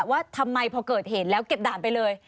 ว่าทำไมพอเกิดเหตุแล้วเก็บด่านไปเลย